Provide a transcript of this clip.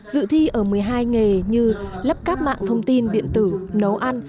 dự thi ở một mươi hai nghề như lắp các mạng thông tin viện tử nấu ăn